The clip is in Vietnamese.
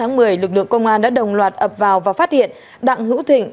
đến ngày ba mươi một tháng một mươi lực lượng công an đã đồng loạt ập vào và phát hiện đặng hữu thịnh